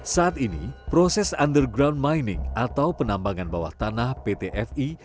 saat ini proses underground mining atau penambangan bawah tanah pt fi